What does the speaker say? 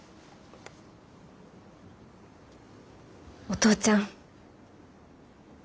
お父ちゃん